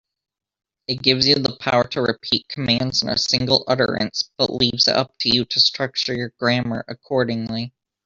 It gives you the power to repeat commands in a single utterance, but leaves it up to you structure your grammar accordingly.